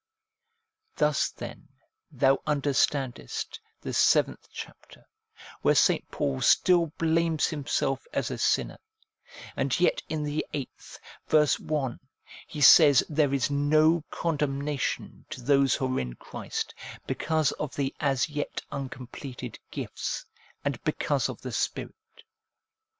Thus then thou understandest the seventh chapter, where St. Paul still blames himself as a sinner, and yet in the eighth, verse 1, he says there is no condemnation to those who are in Christ, because of the as yet uncompleted gifts, and because of the Spirit.